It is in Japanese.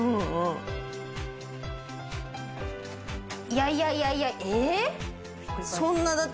いやいやいやいやええっ？